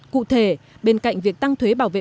cụ thể bên cạnh việc tăng thuế bảo vệ